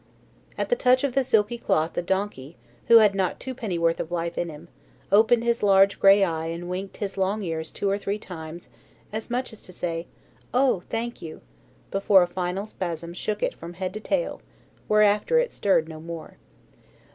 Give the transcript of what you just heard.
At the touch of the silky cloth the donkey, who had not twopennyworth of life in him, opened his large grey eye and winked his long ears two or three times, as much as to say, "Oh, thank you!" before a final spasm shook it from head to tail, whereafter it stirred no more.